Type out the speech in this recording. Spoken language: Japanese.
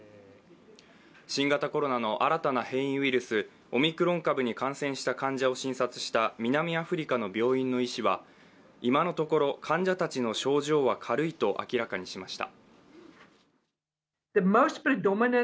新型コロナの新たな変異ウイルス、オミクロン株に感染した患者を診察した南アフリカの病院の医師は今のところ患者たちの症状は軽いと明らかにしました。